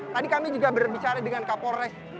tadi kami juga berbicara dengan kapolres